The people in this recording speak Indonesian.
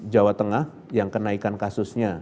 jawa tengah yang kenaikan kasusnya